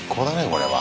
これは。